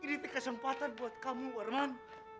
ini tak kesempatan buat kamu warman